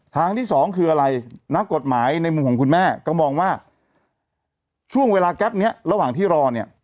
ทางที่สองคืออะไรนักกฎหมายในมุมของคุณแม่ก็มองว่าช่วงเวลาแก๊ปนี้ระหว่างที่รอเนี่ย